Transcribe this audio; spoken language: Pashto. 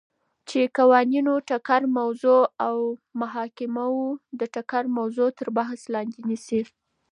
چی قوانینو ټکر موضوع او محاکمو د ټکر موضوع تر بحث لاندی نیسی ،